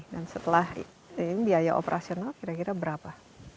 dan setelah ini biaya operasional kira kira berapa